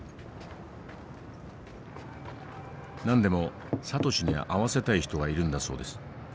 何でもサトシに会わせたい人がいるんだそうです。